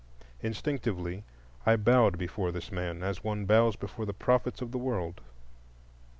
Instinctively I bowed before this man, as one bows before the prophets of the world.